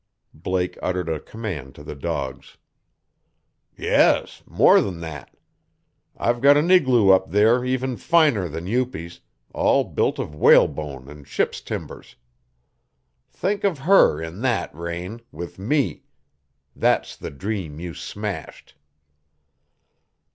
Blake uttered a command to the dogs. "Yes more'n that. I've got an igloo up there even finer than Upi's all built of whalebone and ships' timbers. Think of HER in that, Raine with ME! That's the dream you smashed!"